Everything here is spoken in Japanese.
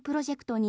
に